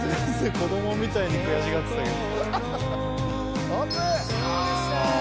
子供みたいに悔しがってたけど。